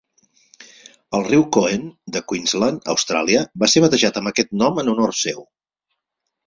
El riu Coen de Queensland, Austràlia, va ser batejat amb aquest nom en honor seu.